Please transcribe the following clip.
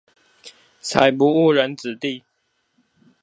才不誤人子弟